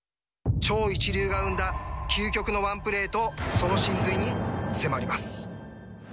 超一流が生んだ究極のワンプレーとその神髄に迫ります。